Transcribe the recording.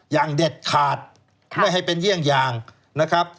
อย่างเด็ดขาดไม่ให้เป็นเยี่ยงอย่างนะครับ